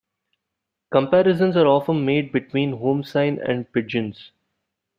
Comparisons are often made between home sign and pidgins.